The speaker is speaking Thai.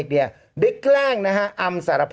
โอเคโอเคโอเคโอเค